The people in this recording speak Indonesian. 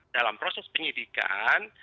dalam proses penyelidikan